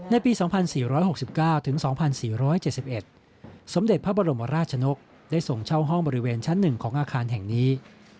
ในปี๒๔๖๙ถึง๒๔๗๑สมเด็จพระบรมราชนกได้ส่งเช่าห้องบริเวณชั้น๑ของอาคารแห่งนี้